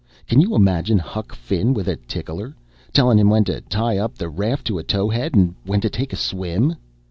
Can you imagine Huck Finn with a tickler, tellin' him when to tie up the raft to a tow head and when to take a swim?"